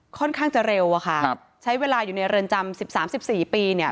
ค่อนข้างจะเร็วอะค่ะครับใช้เวลาอยู่ในเรือนจำสิบสามสิบสี่ปีเนี่ย